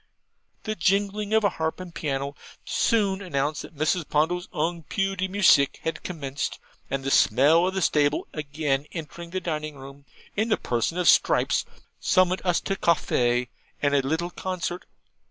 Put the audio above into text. The jingling of a harp and piano soon announced that Mrs. Ponto's ung PU DE MUSICK had commenced, and the smell of the stable again entering the dining room, in the person of Stripes, summoned us to CAFFY and the little concert.